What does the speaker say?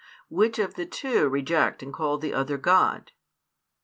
Which of the two reject and call the other God?